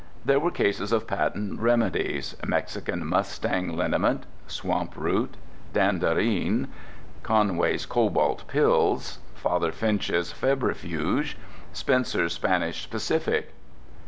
There were cases of patent remedies—Mexican Mustang Liniment, Swamp Root, Danderine, Conway's Cobalt Pills, Father Finch's Febrifuge, Spencer's Spanish Specific.